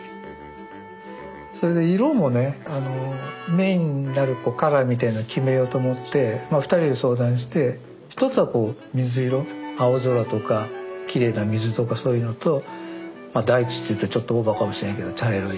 メインになるカラーみたいなのを決めようと思って二人で相談して１つは水色青空とかきれいな水とかそういうのと大地っていったらちょっとオーバーかもしれないけど茶色い。